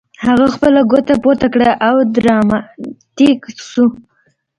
هغه خپله ګوته پورته کړه او ډراماتیک شو